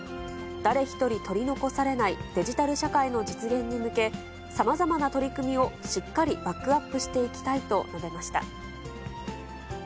誰一人取り残されないデジタル社会の実現に向け、さまざまな取り組みをしっかりバックアップしていきたいと述べました。